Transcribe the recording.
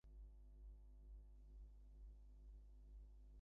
An investigative reporter looks into the murder of a call girl.